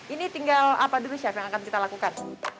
ini tinggal apa dulu chef yang akan kita lakukan